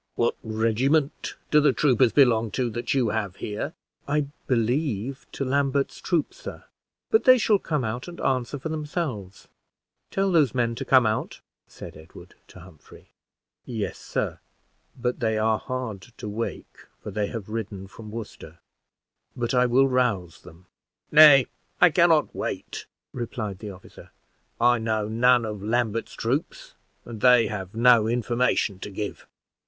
"What regiment do the troopers belong to that you have here?" "I believe to Lambert's troop, sir; but they shall come out and answer for themselves. Tell those men to come out," said Edward to Humphrey. "Yes, sir, but they are hard to wake, for they have ridden from Worcester; but I will rouse them." "Nay, I can not wait," replied the officer. "I know none of Lambert's troops, and they have no information to give."